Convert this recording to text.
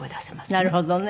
なるほどね。